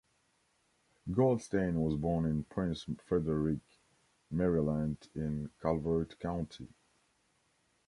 Goldstein was born in Prince Frederick, Maryland in Calvert County.